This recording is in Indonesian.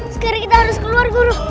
sekarang kita harus keluar guru